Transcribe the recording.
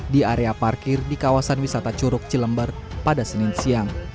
di area parkir di kawasan wisata curug cilember pada senin siang